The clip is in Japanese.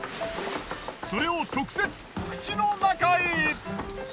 それを直接口の中へ。